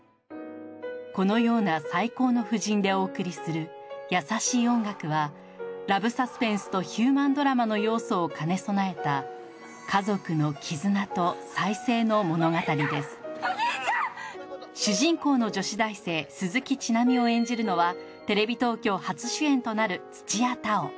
このような最高の布陣でお送りする「優しい音楽」はラブサスペンスとヒューマンドラマの要素を兼ね備えた主人公の女子大生鈴木千波を演じるのはテレビ東京初主演となる土屋太鳳